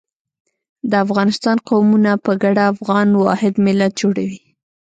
د افغانستان قومونه په ګډه افغان واحد ملت جوړوي.